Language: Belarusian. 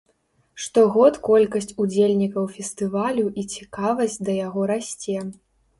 Штогод колькасць удзельнікаў фестывалю і цікавасць да яго расце.